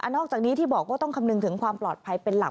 นอกจากนี้ที่บอกว่าต้องคำนึงถึงความปลอดภัยเป็นหลัก